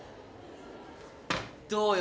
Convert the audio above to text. どうよ？